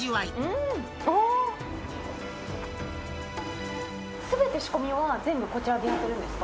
うーん、すべて仕込みは全部こちらでやってるんですか？